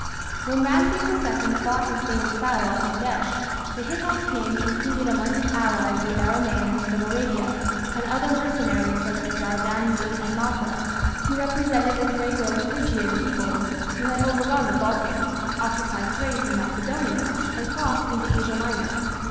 When Rameses II fought his famous battle at Kadesh the Hittite king included among his allies the Aramaeans from Arabia, and other mercenaries like the Dardanui and Masa, who represented the Thraco Phrygian peoples who had overrun the Balkans, occupied Thrace and Macedonia, and crossed into Asia Minor.